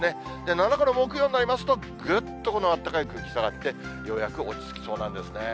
７日の木曜になりますと、ぐっとこのあったかい空気下がって、ようやく落ち着きそうなんですね。